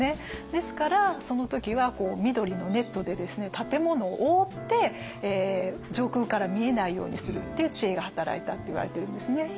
ですからその時は緑のネットで建物を覆って上空から見えないようにするっていう知恵が働いたっていわれてるんですね。